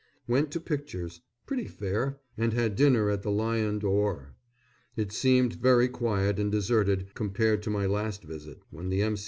Went to pictures; pretty fair; and had dinner at the Lion d'Or. It seemed very quiet and deserted compared to my last visit, when the M.